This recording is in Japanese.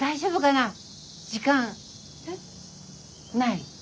ない？